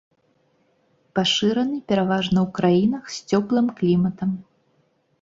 Пашыраны пераважна ў краінах з цёплым кліматам.